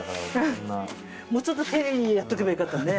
もうちょっと丁寧にやっとけばよかったね。